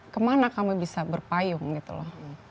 kemana kami bisa berpayung gitu loh